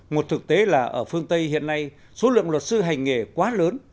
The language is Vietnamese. một thực tế là ở phương tây hiện nay số lượng luật sư hành nghề quá lớn